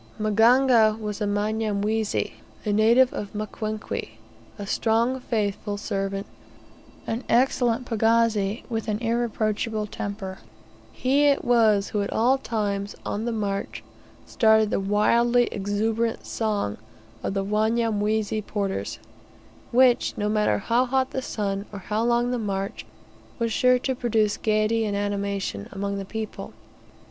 Maganga was a Mnyamwezi, a native of Mkwenkwe, a strong, faithful servant, an excellent pagazi, with an irreproachable temper. He it was who at all times, on the march, started the wildly exuberant song of the Wanyamwezi porters, which, no matter how hot the sun, or how long the march, was sure to produce gaiety and animation among the people.